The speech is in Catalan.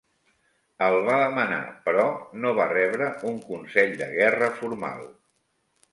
El va demanar, però no va rebre un consell de guerra formal.